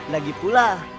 nah gitu lah